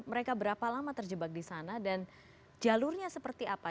mereka berapa lama terjebak di sana dan jalurnya seperti apa